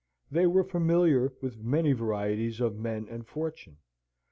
They were familiar with many varieties of men and fortune.